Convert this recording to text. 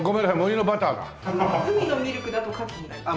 「海のミルク」だとカキになります。